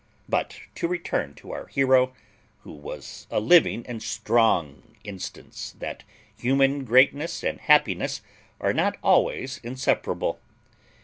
But to return to our hero, who was a living and strong instance that human greatness and happiness are not always inseparable.